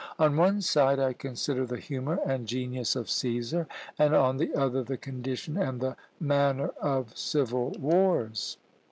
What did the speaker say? "On one side I consider the humour and genius of Cæsar, and on the other the condition and the manner of civil wars."